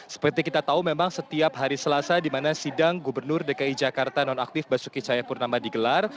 seperti kita tahu memang setiap hari selasa di mana sidang gubernur dki jakarta nonaktif basuki cahayapurnama digelar